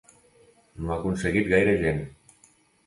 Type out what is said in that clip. No ho ha aconseguit gaire gent.